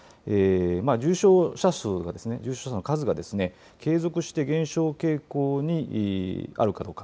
重症者数は、重症者の数が継続して減少傾向にあるかどうか。